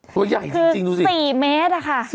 ตัวใหญ่จริงดูสิคือ๔เมตรค่ะ